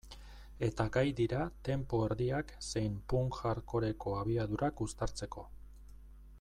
Eta gai dira tempo erdiak zein punk-hardcoreko abiadurak uztartzeko.